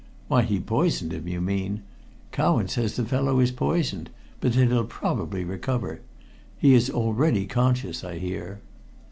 "Why he poisoned him, you mean. Cowan says the fellow is poisoned, but that he'll probably recover. He is already conscious, I hear."